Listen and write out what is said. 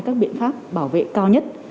các biện pháp bảo vệ cao nhất